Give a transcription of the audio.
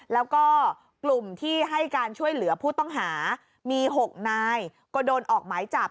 แล้วก็กลุ่มที่ให้การช่วยเหลือผู้ต้องหามี๖นายก็โดนออกหมายจับ